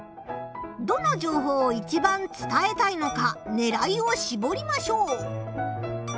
どの情報をいちばん伝えたいのかねらいをしぼりましょう。